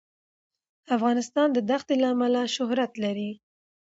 افغانستان د دښتې له امله شهرت لري.